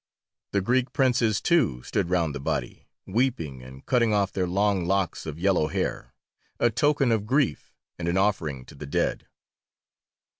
The Greek princes, too, stood round the body, weeping and cutting off their long locks of yellow hair, a token of grief and an offering to the dead.